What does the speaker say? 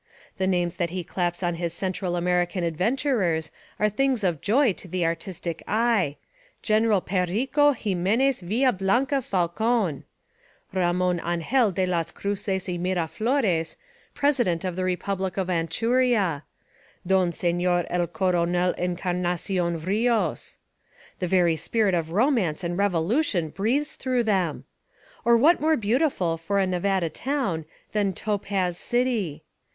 The names that he claps on his Central American adventurers are things of joy to the artistic eye, — General Perrico Ximenes Villablanca Falcon ! Ramon Angel de 238 The Amazing Genius of O. Henry las Cruzes y Miraflores, president of the repub lic of Anchuria ! Don Senor el Coronel Encar nacion Rios! The very spirit of romance and revolution breathes through them ! Or what more beautiful for a Nevada town than Topaz City?